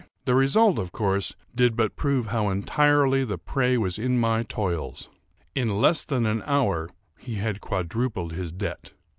The result, of course, did but prove how entirely the prey was in my toils: in less than an hour he had quadrupled his debt.